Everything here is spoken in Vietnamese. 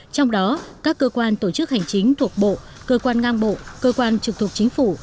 trong đó các cơ quan tổ chức hành chính thuộc bộ cơ quan ngang bộ cơ quan trực thuộc chính phủ